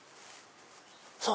そう！